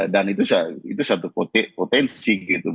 dan itu satu potensi gitu